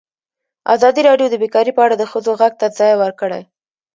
ازادي راډیو د بیکاري په اړه د ښځو غږ ته ځای ورکړی.